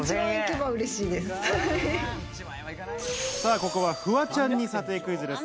ここはフワちゃんに査定クイズです。